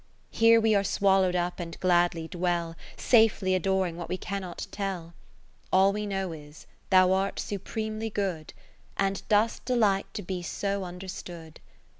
Here we are swallowed up and gladly dwell. Safely adoring what we cannot tell. All we know is. Thou art supremely good, And dost delight to be so under stood.